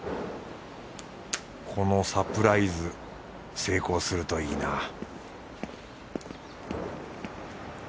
このサプライズ成功するといいな